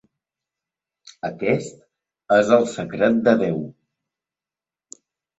Aquest és el secret de Déu».